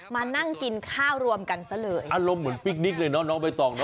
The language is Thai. มานั่งกินข้าวรวมกันซะเลยอารมณ์เหมือนปิ๊กนิกเลยเนาะน้องใบตองนะ